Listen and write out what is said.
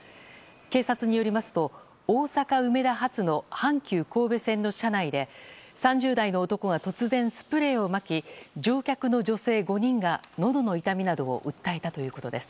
警察によりますと大阪梅田発の阪急神戸線の車内で３０代の男が突然、スプレーをまき乗客の女性５人がのどの痛みなどを訴えたということです。